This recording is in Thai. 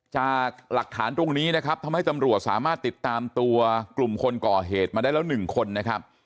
จากหลักฐานตรงนี้นะครับทำให้ตำรวจสามารถติดตามตัวกลุ่มคนก่อเหตุมาได้แล้ว๑คนนะครับ